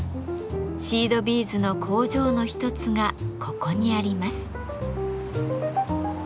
シードビーズの工場の一つがここにあります。